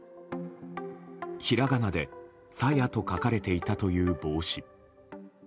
ひらがなで「さや」と書かれていたという帽子。